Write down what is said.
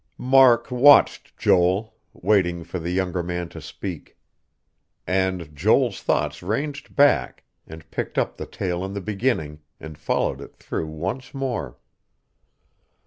Mark watched Joel, waiting for the younger man to speak. And Joel's thoughts ranged back, and picked up the tale in the beginning, and followed it through once more....